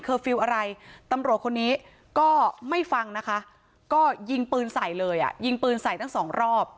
ฟิลล์อะไรตำรวจคนนี้ก็ไม่ฟังนะคะก็ยิงปืนใส่เลยอ่ะยิงปืนใส่ทั้งสองรอบ